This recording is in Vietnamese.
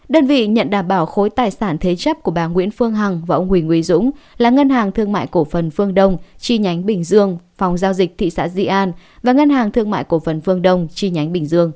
đơn vị nhận đảm bảo khối tài sản thế chấp của bà nguyễn phương hằng và ông huỳnh uy dũng là ngân hàng thương mại cổ phần phương đông chi nhánh bình dương phòng giao dịch thị xã di an và ngân hàng thương mại cổ phần phương đông chi nhánh bình dương